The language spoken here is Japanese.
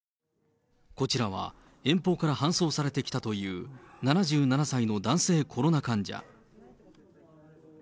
こちらは、遠方から搬送されてきたという、７７歳の男性コロナ患者。